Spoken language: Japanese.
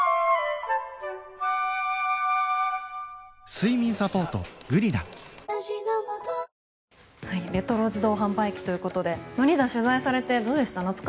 睡眠サポート「グリナ」レトロ自動販売機ということでリーダー、取材されてどうでした？